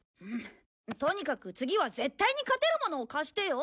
とにかく次は絶対に勝てるものを貸してよ。